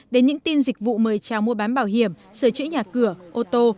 đến những tin dịch vụ mời trao mua bán bảo hiểm sửa chữa nhà cửa ô tô